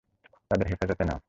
তাদের হেফাজতে নাও।